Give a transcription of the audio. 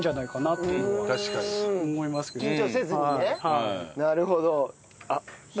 緊張せずにねなるほど。